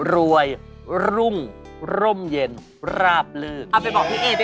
รวยรุ่งร่มเย็นราบลื้ม